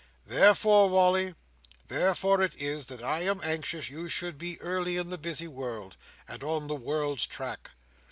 "Therefore, Wally—therefore it is that I am anxious you should be early in the busy world, and on the world's track.